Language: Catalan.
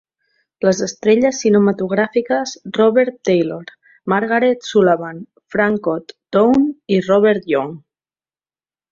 Les estrelles cinematogràfiques Robert Taylor, Margaret Sullavan, Franchot Tone i Robert Young.